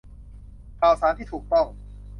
ข่าวสารที่ถูกต้อง